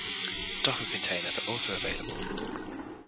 Docker containers are also available.